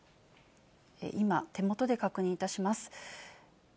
今、手元で確認いたします。